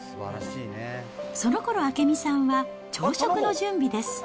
そのころ明美さんは朝食の準備です。